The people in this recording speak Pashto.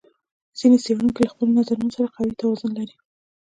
ځینې څېړونکي له خپلو نظرونو سره قوي توازن لري.